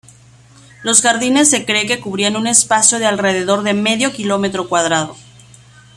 Los jardines se cree que cubrían un espacio de alrededor de medio kilómetro cuadrado.